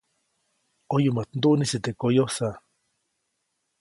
ʼOyumäjt nduʼnisi teʼ koyosa.